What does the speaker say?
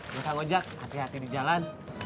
bisa ngajak hati hati di jalan